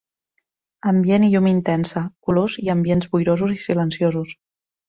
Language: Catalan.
Ambient i llum intensa ; colors i ambients boirosos i silenciosos.